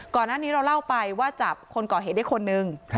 ก่อนหน้านี้เราเล่าไปว่าจับคนก่อเหตุได้คนนึง